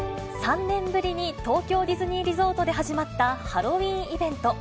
３年ぶりに東京ディズニーリゾートで始まったハロウィーンイベント。